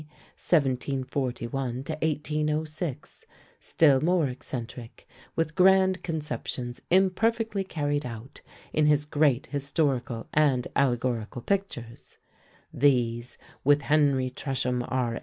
(1741 1806), still more eccentric, with grand conceptions imperfectly carried out in his great historical and allegorical pictures: these, with Henry Tresham, R.